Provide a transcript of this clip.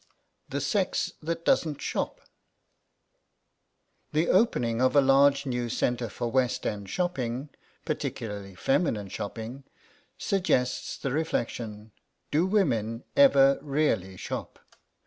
THE SEX THAT DOESN'T SHOP THE opening of a large new centre for West End shopping, particularly feminine shopping, suggests the reflection, Do women ever really shop?